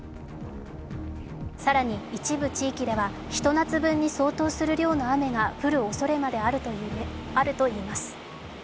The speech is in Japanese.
更に一部地域ではひと夏分に相当する量の雨が降るおそれまであるといいます。